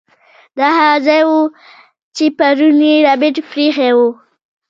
دا هغه ځای و چې پرون یې ربیټ پریښی و